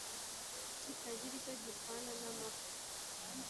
Kitagira icyo gipfana n'amapfa